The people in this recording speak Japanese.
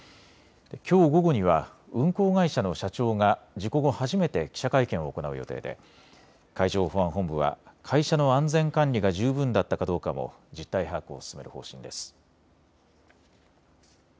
きょう午後には運航会社の社長が事故後、初めて記者会見を行う予定で海上保安本部は会社の安全管理が十分だったかどうかも実態把握を進める方針です。